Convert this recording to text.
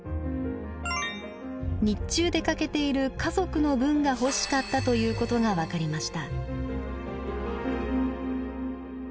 日中出かけている家族の分が欲しかったということが分かりました。